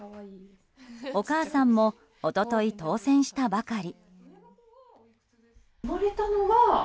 お母さんも一昨日、当選したばかり。